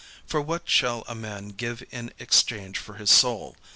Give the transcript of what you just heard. Or what shall a man give in exchange for his soul?